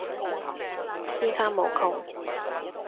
變化無窮